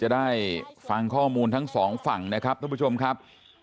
ให้ฟังข้อมูลทั้ง๒ฝั่งนะครับที่ชมครับ